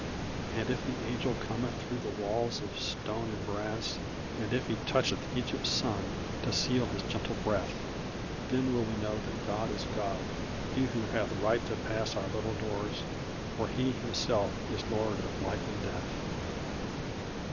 "And if the Angel cometh through the walls of stone and brass And if he toucheth Egypt's son, to seal his gentle breath, Then will we know that God is God, He who hath right to pass Our little doors, for He Himself is Lord of Life and Death."